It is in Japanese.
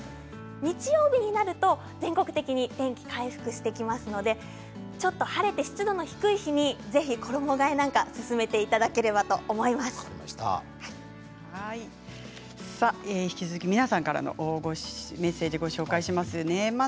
日曜日になると全国的に天気回復してきますのでちょっと晴れて湿度の低い日にぜひ衣がえなんか皆さんからのメッセージをご紹介します。